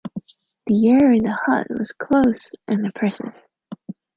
The air in the hut was close and oppressive.